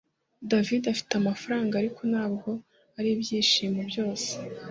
David afite amafaranga Ariko ntabwo aribyishimo byose